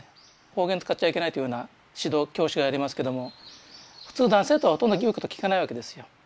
方言使っちゃいけないというような指導を教師がやりますけども普通男子生徒はほとんど言うこと聞かないわけですよ。